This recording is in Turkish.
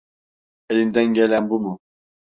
Elinden gelen bu mu?